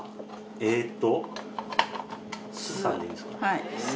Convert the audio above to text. えーっと「酢さん」でいいんですか？